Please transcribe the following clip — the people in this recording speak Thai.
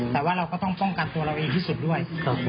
แต่ว่าเราก็ต้องป้องกันตัวเราเองที่สุดด้วย